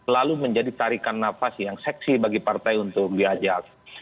lalu menjadi tarikan nafas yang seksi bagi partai untuk diajak